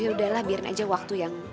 ya udahlah biarin aja waktu yang